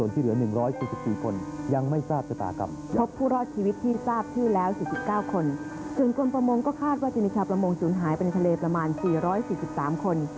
เพราะคาดว่าจะมีชาประมงสูญหายไปในทะเลประมาณ๔๔๓คน